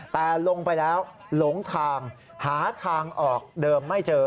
แต่ลงไปแล้วหาทางออกเดิมไม่เจอ